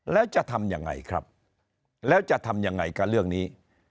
แล้วจะทำยังไงครับแล้วจะทำยังไงกับเรื่องนี้